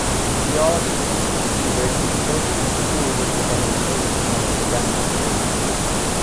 Geologists considered the church and school would become unsafe once the dam was full.